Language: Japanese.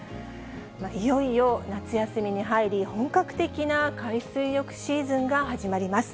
いよいよ夏休みに入り、本格的な海水浴シーズンが始まります。